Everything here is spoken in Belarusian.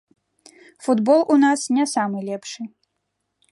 Футбол у нас не самы лепшы.